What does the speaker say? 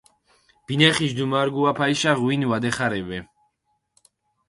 ბინეხიში დუმარგუაფალიშა ღვინი ვადეხარებე.